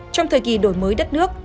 trong thời kỳ đổi mới đất nước